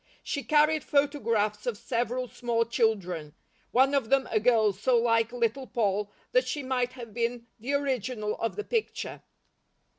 She carried photographs of several small children, one of them a girl so like Little Poll that she might have been the original of the picture.